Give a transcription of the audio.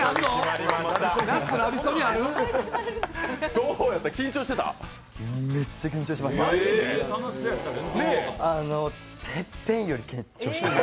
どうでした、緊張してた？